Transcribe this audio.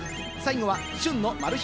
最後は旬のマル秘